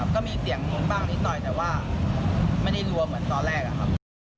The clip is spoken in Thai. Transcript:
ก็มีเสียงบ้างนิดหน่อยแต่ว่าไม่ได้รัวเหมือนตอนแรกนะครับ